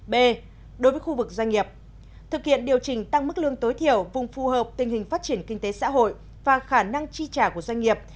b đối với khu vực doanh nghiệp thực hiện điều chỉnh tăng mức lương tối thiểu vùng phù hợp tình hình phát triển kinh tế xã hội và khả năng chi trả của doanh nghiệp